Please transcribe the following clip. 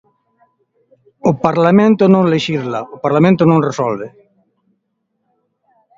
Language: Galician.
O Parlamento non lexisla, o Parlamento non resolve.